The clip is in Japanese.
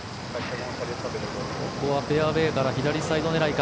ここはフェアウェーから左サイド狙いか。